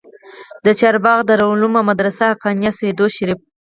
د چارباغ دارالعلوم او مدرسه حقانيه سېدو شريف